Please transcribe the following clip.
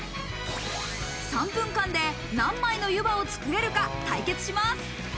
３分間で何枚のゆばを作れるか対決します。